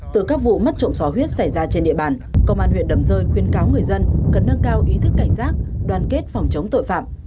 từ các vụ mất trộm sò huyết xảy ra trên địa bàn công an huyện đầm rơi khuyên cáo người dân cần nâng cao ý thức cảnh giác đoàn kết phòng chống tội phạm